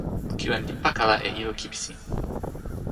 kiwen li pakala e ilo kipisi.